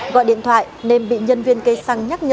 gọi điện thoại nên bị nhân viên cây xăng nhắc nhở